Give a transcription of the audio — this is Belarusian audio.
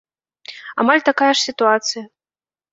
Амаль такая ж сітуацыя.